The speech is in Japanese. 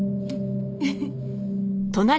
フフッ。